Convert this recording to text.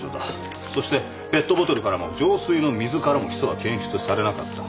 そしてペットボトルからも浄水の水からもヒ素は検出されなかった。